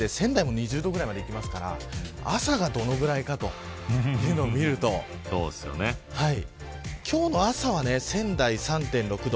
最高気温は文句なしで、仙台でも２０度ぐらいまでいきますから朝がどれぐらいかを見ると今日の朝は仙台、３．６度。